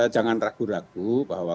jangan ragu ragu bahwa